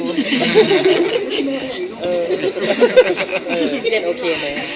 เจนโอเคไหม